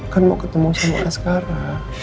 kan mau ketemu sama askara